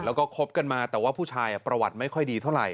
แล้วก็คบกันมาแต่ว่าผู้ชายประวัติไม่ค่อยดีเท่าไห